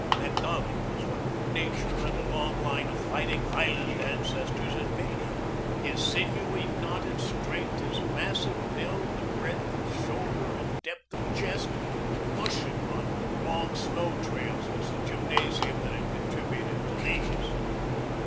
Macdonald was what nature and a long line of fighting Highland ancestors had made him. His sinewy, knotted strength, his massive build, the breadth of shoulder and depth of chest mushing on long snow trails was the gymnasium that had contributed to these.